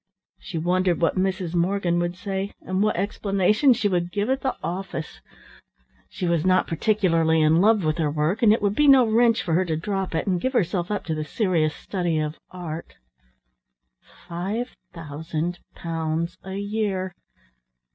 She wondered what Mrs. Morgan would say and what explanation she would give at the office. She was not particularly in love with her work, and it would be no wrench for her to drop it and give herself up to the serious study of art. Five thousand pounds a year!